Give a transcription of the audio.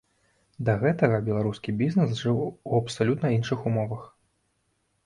Да гэтага беларускі бізнэс жыў у абсалютна іншых умовах.